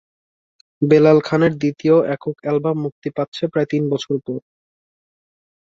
বেলাল খানের দ্বিতীয় একক অ্যালবাম মুক্তি পাচ্ছে প্রায় তিন বছর পর।